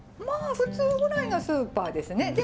まあ普通ぐらいのスーパーですね。